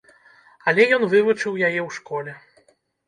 Але ён вывучыў яе ў школе.